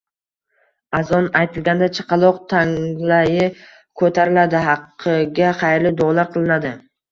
Azon aytilganida chaqaloq tanglayi ko‘tariladi, haqiga xayrli duolar qilinadi.